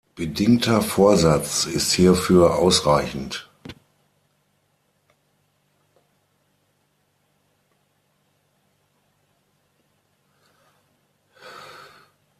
Bedingter Vorsatz ist hierfür ausreichend.